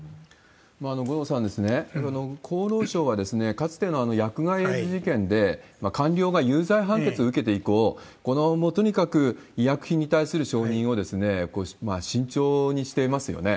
五郎さん、厚労省はかつての薬害エイズ事件で官僚が有罪判決を受けて以降、とにかく医薬品に対する承認を慎重にしてますよね。